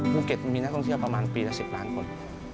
ภูเก็ตมีนักท่องเที่ยวประมาณปีละ๑๐ล้านคน